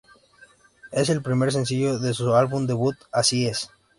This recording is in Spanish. Es el primer sencillo de su álbum debut "Así es".